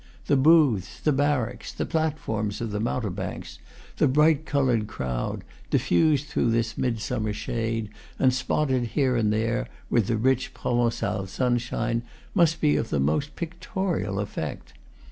The booths, the barracks, the platforms of the mountebanks, the bright colored crowd, diffused through this midsummer shade, and spotted here and there with the rich Provencal sun shine must be of the most pictorial effect.